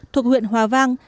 thuộc huyện hòa vang